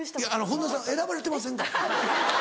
本田さん選ばれてませんから。